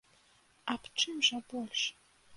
Аб чым жа больш?